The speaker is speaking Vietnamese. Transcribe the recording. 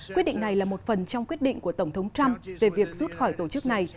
quyết định này là một phần trong quyết định của tổng thống trump về việc rút khỏi tổ chức này